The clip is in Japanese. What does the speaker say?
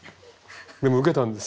でもウケたんです。